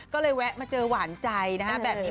ก็เลยแวะมาเจอหวานใจนะฮะแบบนี้